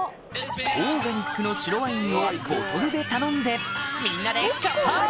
オーガニックの白ワインをボトルで頼んでみんなでカンパイ！